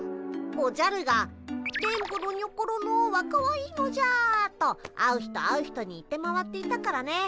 おじゃるが「電ボのにょころのはかわいいのじゃ」と会う人会う人に言って回っていたからね。